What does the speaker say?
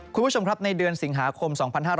คุณผู้ชมครับในเดือนสิงหาคม๒๕๕๙